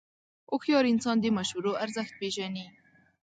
هوښیار انسان د مشورو ارزښت پېژني.